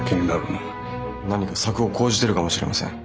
何か策を講じてるかもしれません。